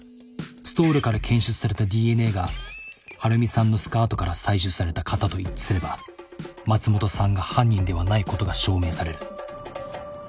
ストールから検出されたＤＮＡが晴美さんのスカートから採取された型と一致すれば松本さんが犯人ではないことが証明される。